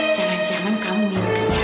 jangan jangan kamu mimpinya